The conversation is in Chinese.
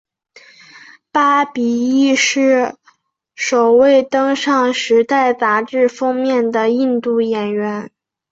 巴比亦是首位登上时代杂志封面的印度演员。